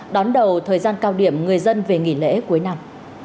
đón đầu thời gian cao điểm người dân về nghỉ lễ cuối năm